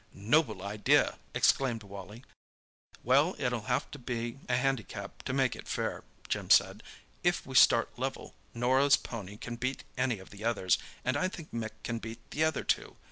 "Noble idea!" exclaimed Wally. "Well, it'll have to be a handicap to make it fair," Jim said. "If we start level, Norah's pony can beat any of the others, and I think Mick can beat the other two.